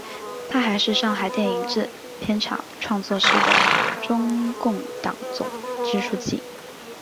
她还是上海电影制片厂创作室的中共党总支书记。